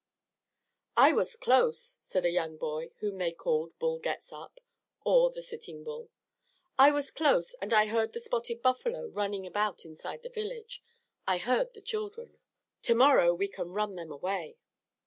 "I was close," said a young boy whom they called Bull Gets Up or The Sitting Bull. "I was close, and I heard the spotted buffalo running about inside the village; I heard the children. To morrow we can run them away."